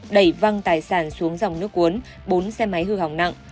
đẩy văng tài sản xuống dòng nước cuốn bốn xe máy hư hỏng nặng